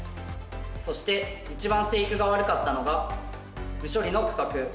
そして一番生育が悪かったのが無処理の区画。